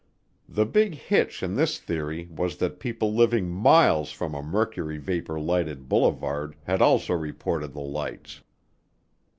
The big hitch in this theory was that people living miles from a mercury vapor lighted boulevard had also reported the lights.